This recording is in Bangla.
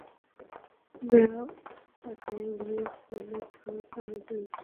না আরে উনি তোমার বস, আমাদের উচিত উনাকে খুশি করা।